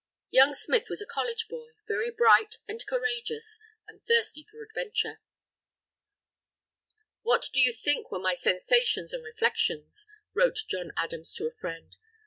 Young Smith was a college boy, very bright and courageous, and thirsty for adventure. "What do you think were my sensations and reflections?" wrote John Adams to a friend.